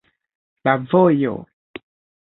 La vojo.